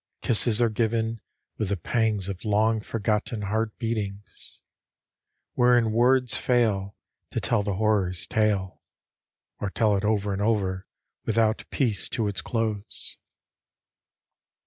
Kisses are given, with the pangs of long forgot heart beatings : Wherein words fail To tell the horror's tale — Or tell it over and over, without peace, to its close. 82 DELIVERANCE?